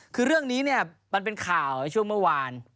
คือเรื่องนี้เนี่ยมันเป็นข่าวในช่วงเมื่อวาน